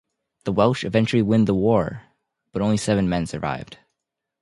The Welsh eventually win the war, but only seven men survived.